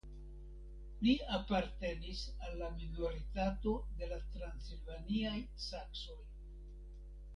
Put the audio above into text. Li apartenis al la minoritato de la transilvaniaj saksoj.